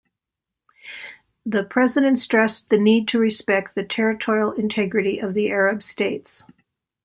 The President stressed the need to respect the territorial integrity of the Arab states.